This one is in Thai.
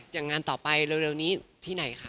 อย่างงานต่อไปเร็วนี้ที่ไหนคะ